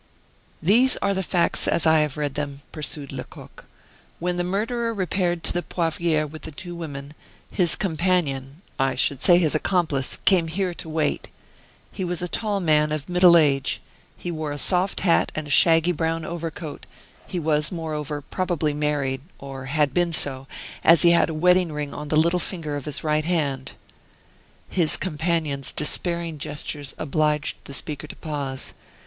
"These are the facts as I have read them," pursued Lecoq. "When the murderer repaired to the Poivriere with the two women, his companion I should say his accomplice came here to wait. He was a tall man of middle age; he wore a soft hat and a shaggy brown overcoat; he was, moreover, probably married, or had been so, as he had a wedding ring on the little finger of his right hand " His companion's despairing gestures obliged the speaker to pause.